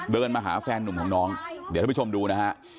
เดินมาหาแฟนนุ่มของน้องเดี๋ยวท่านผู้ชมดูนะฮะ